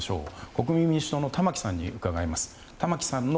国民民主党の玉木さんに伺います。